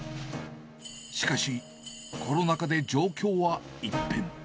しかし、コロナ禍で状況は一変。